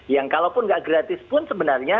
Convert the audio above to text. yang kalau pun nggak gratis pun sebenarnya